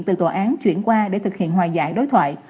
từ tòa án chuyển qua để thực hiện hòa giải đối thoại